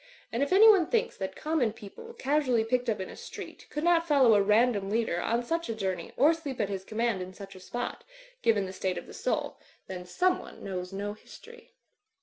And if anyone thinks that common people, casually picked up in a street, could not follow a random leader on such a journey or sleep at his command in such a spot, given the state of the soul, then someone knows no history.